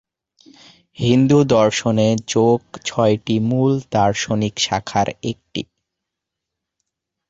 হিন্দু দর্শনে যোগ ছয়টি মূল দার্শনিক শাখার একটি।